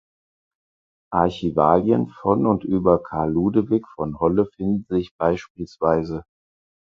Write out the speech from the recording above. Archivalien von und über Carl Ludewig von Holle finden sich beispielsweise